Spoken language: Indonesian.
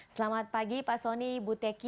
selamat pagi pak soni bu teki